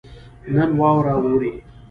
نن واوره اوري